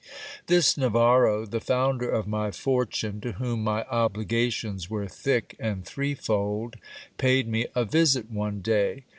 This Navarro, the founder of my fortune, to whom my obligations were thick and threefold, paid me a visit one day.